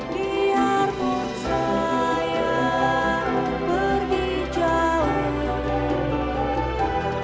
biarpun saya pergi jauh